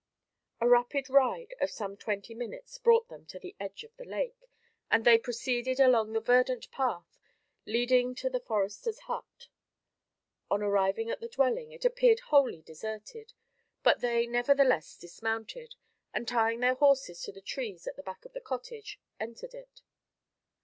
A rapid ride of some twenty minutes brought them to the edge of the lake, and they proceeded along the verdant path leading to the forester's hut. On arriving at the dwelling, it appeared wholly deserted, but they nevertheless dismounted, and tying their horses to the trees at the back of the cottage, entered it.